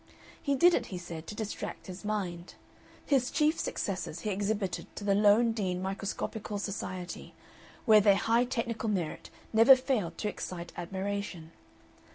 He did it, he said, "to distract his mind." His chief successes he exhibited to the Lowndean Microscopical Society, where their high technical merit never failed to excite admiration.